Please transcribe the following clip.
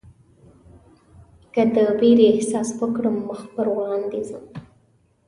که د وېرې احساس وکړم مخ پر وړاندې ځم.